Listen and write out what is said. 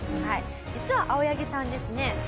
実は青柳さんですね